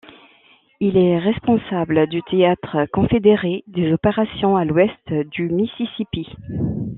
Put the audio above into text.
Il est responsable du théâtre confédéré des opérations à l'ouest du Mississippi.